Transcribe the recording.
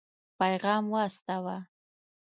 پيغام واستاوه.